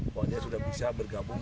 bahwa dia sudah bisa bergabung